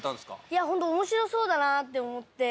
いや本当面白そうだなって思って。